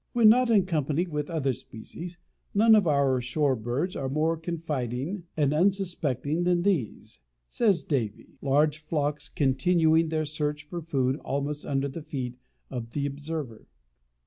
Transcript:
When not in company with other species, none of our shore birds are more confiding and unsuspecting than these, says Davie, large flocks continuing their search for food almost under the feet of the observer.